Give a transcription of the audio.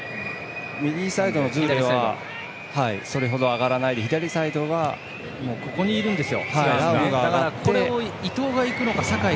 右サイドのズーレはそれほど上がらないで左サイドがここにいるんです。